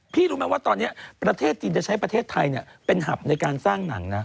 รู้ไหมว่าตอนนี้ประเทศจีนจะใช้ประเทศไทยเป็นหับในการสร้างหนังนะ